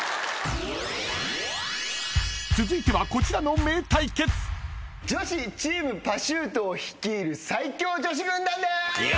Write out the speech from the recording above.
［続いてはこちらの名対決］女子チームパシュート率いる最強女子軍団です。